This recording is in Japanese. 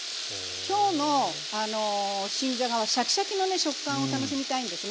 今日の新じゃがはシャキシャキのね食感を楽しみたいんですね。